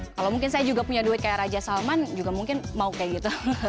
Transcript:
kalau mungkin saya juga punya duit kayak raja salman juga mungkin mau kayak gitu